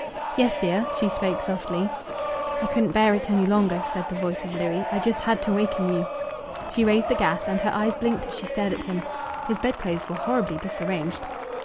"Yes, dear?" she spoke softly. "I couldn't bear it any longer," said the voice of Louis. "I just had to waken you." She raised the gas, and her eyes blinked as she stared at him. His bedclothes were horribly disarranged.